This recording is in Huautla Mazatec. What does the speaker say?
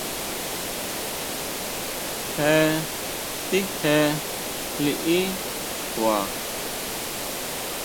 Jetije liʼí xkua.